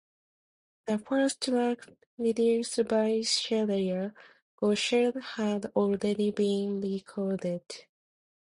The first track rendered by Shreya Ghoshal had already been recorded.